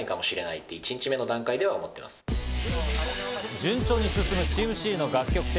順調に進むチームＣの楽曲制